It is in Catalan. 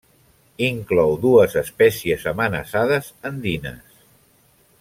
Inclou dues espècies amenaçades andines.